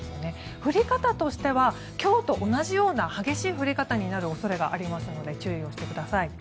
降り方としては今日と同じような激しい降り方になる恐れがあるので注意をしてください。